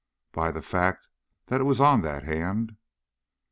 "By the fact that it was on that hand."